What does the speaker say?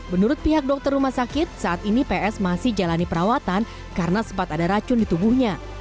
menurut pihak dokter rumah sakit saat ini ps masih jalani perawatan karena sempat ada racun di tubuhnya